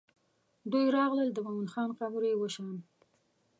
دوی راغلل د مومن خان قبر یې وشان.